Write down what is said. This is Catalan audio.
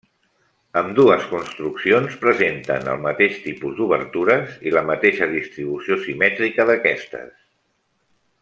Ambdues construccions presenten el mateix tipus d'obertures i la mateixa distribució simètrica d'aquestes.